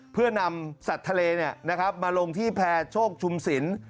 เพื่อนำสัตว์ทะเลมาลงที่แพร่โชคชุมศิลป์